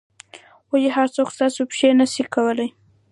ولي هر څوک ستاسو پېښې نه سي کولای؟